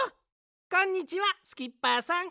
こんにちはスキッパーさん。